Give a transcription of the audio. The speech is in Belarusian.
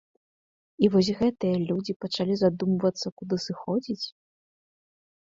І вось гэтыя людзі пачалі задумвацца, куды сыходзіць?